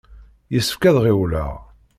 Yessefk ad ɣiwleɣ!